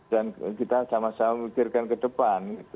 dan kita sama sama mikirkan ke depan